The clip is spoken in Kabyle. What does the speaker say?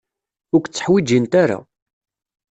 Ur k-tteḥwijint ara.